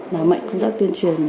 làm mạnh công tác tuyên truyền